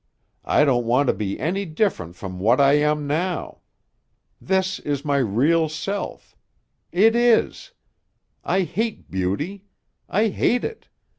I don't want to be any different from what I am now. This is my real self. It is. I hate beauty. I hate it.